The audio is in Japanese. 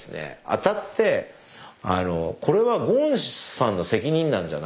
当たってこれはゴーンさんの責任なんじゃないですかと。